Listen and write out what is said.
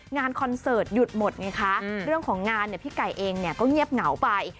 คอนเสิร์ตหยุดหมดไงคะเรื่องของงานเนี่ยพี่ไก่เองเนี่ยก็เงียบเหงาไป